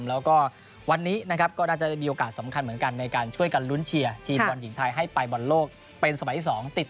แล้วก็วันนี้นะครับก็น่าจะมีโอกาสสำคัญเหมือนกันในการช่วยกันลุ้นเชียร์ทีมบอลหญิงไทยให้ไปบอลโลกเป็นสมัยที่๒ติด